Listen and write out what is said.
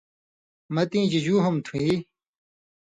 ”مہ تِیں جیجُو ہوم تُھو یی؟“